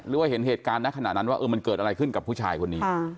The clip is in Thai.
หรือว่าเห็นเหตุการณ์ณขณะนั้นว่ามันเกิดอะไรขึ้นกับผู้ชายคนนี้